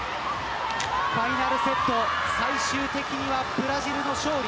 ファイナルセットは最終的にブラジルの勝利。